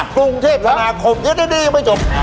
กรุงเทพธนาคมเดี๋ยวยังไม่จบ